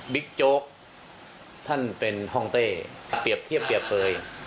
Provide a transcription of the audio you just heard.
โจ๊กท่านเป็นห้องเต้เปรียบเทียบเปรียบเปลย